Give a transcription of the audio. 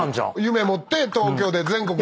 夢持って東京で全国。